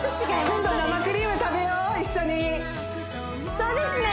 今度生クリーム食べよう一緒にそうですね